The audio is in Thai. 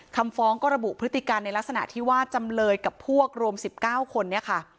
คำฟ้องก็ระบุพฤติการในลักษณะที่ว่าจำเลยกับพวกรวม๑๙คนนี้ค่ะ